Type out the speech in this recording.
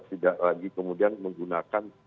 tidak lagi kemudian menggunakan